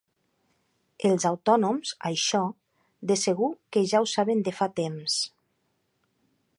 Els autònoms, això, de segur que ja ho saben de fa temps.